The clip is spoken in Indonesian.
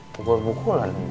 buat buku lah nunggu